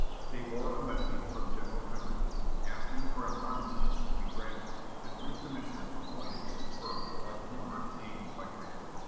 They bore a message from General Pemberton, asking that an armistice be granted, and three commissioners appointed to confer with a like number named by Grant.